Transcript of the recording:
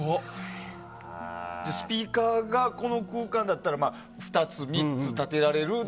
スピーカーがこの空間だったら２つ、３つ立てられる。